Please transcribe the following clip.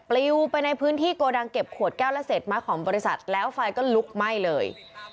ลิวไปในพื้นที่โกดังเก็บขวดแก้วและเศษไม้ของบริษัทแล้วไฟก็ลุกไหม้เลย